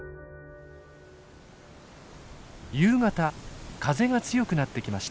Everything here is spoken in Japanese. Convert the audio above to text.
夕方風が強くなってきました。